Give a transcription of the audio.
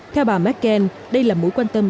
theo bà merkel đây là mối quan tâm